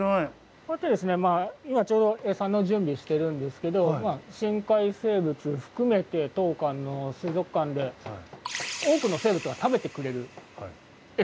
こうやってですね今ちょうど餌の準備してるんですけど深海生物含めて当館の水族館で多くの生物が食べてくれる餌があるんですね。